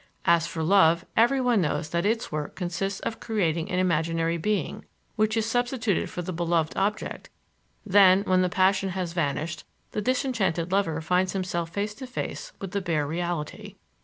As for love, everyone knows that its work consists of creating an imaginary being, which is substituted for the beloved object; then, when the passion has vanished, the disenchanted lover finds himself face to face with the bare reality.